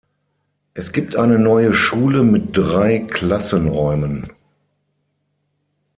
Es gibt eine neue Schule mit drei Klassenräumen.